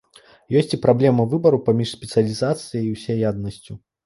Ёсць і праблема выбару паміж спецыялізацыяй і ўсяяднасцю.